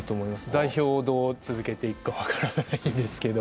代表をどう続けていくかは分からないですけど。